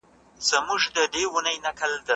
درسونه لوستل کړه؟!